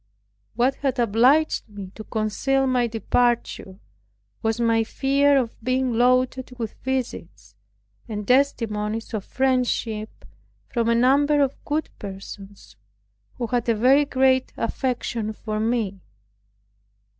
What had obliged me to conceal my departure, was my fear of being loaded with visits, and testimonies of friendship from a number of good persons, who had a very great affection for me.